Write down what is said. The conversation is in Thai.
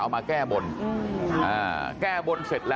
สวัสดีครับคุณผู้ชาย